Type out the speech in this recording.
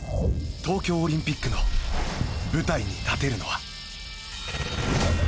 東京オリンピックの舞台に立てるのは。